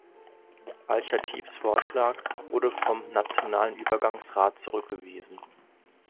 Al-Chatibs Vorschlag wurde vom Nationalen Übergangsrat zurückgewiesen.